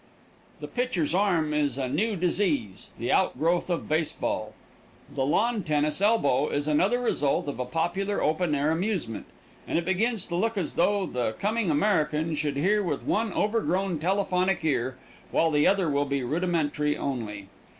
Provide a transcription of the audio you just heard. The pitcher's arm is a new disease, the outgrowth of base ball; the lawn tennis elbow is another result of a popular open air amusement, and it begins to look as though the coming American would hear with one overgrown telephonic ear, while the other will be rudimentary only.